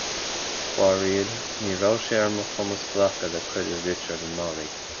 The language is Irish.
Faraoir, ní raibh sé ar mo chumas glacadh le cuireadh Richard anuraidh.